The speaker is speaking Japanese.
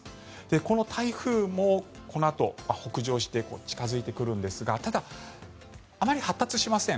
この台風もこのあと北上して近付いてくるんですがただ、あまり発達しません。